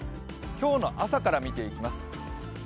今日の朝からみていきます。